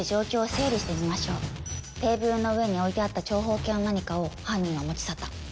テーブルの上に置いてあった長方形の何かを犯人は持ち去った。